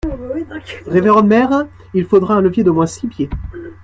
Révérende mère, il faudra un levier d'au moins six pieds.